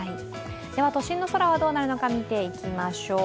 では都心の空はどうなるのか見ていきましょう。